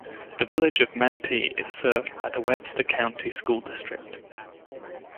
The Village of Mantee is served by the Webster County School District.